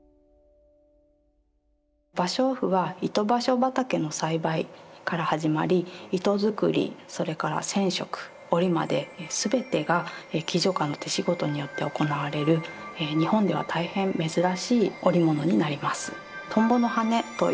芭蕉布は糸芭蕉畑の栽培から始まり糸作りそれから染色織りまで全てが喜如嘉の手仕事によって行われる日本では大変珍しい織物になります。